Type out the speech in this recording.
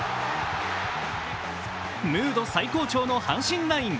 ムード最高潮の阪神ライン。